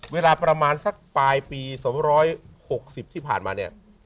เวลาประมาณสักปลายปี๒๖๐ที่ผ่านมาเนี่ย